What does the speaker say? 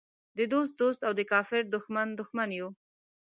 د دوست دوست او د کافر دښمن دښمن یو.